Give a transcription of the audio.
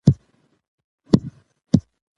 آیا د دغه فاتح په اړه به نور کتابونه ولیکل شي؟